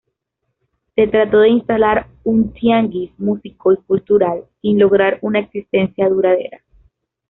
Se trató de instalar un tianguis músico y cultural, sin lograr una existencia duradera.